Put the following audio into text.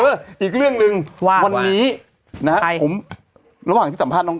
อีกเรื่องหนึ่งว่าวันนี้นะฮะผมระหว่างที่สัมภาษณ์น้อง